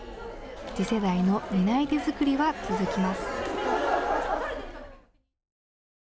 次世代の担い手づくりは続きます。